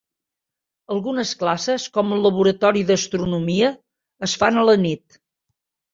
Algunes classes, com el laboratori d'astronomia, es fan a la nit.